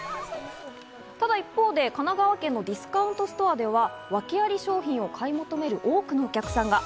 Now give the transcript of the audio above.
ただ、一方で神奈川県のディスカウントストアでは、ワケあり商品の買い求める多くのお客さんが。